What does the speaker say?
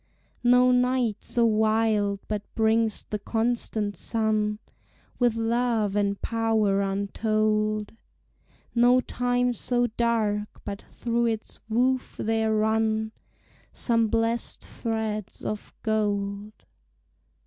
No night so wild but brings the constant sun With love and power untold; No time so dark but through its woof there run Some blessèd threads of gold.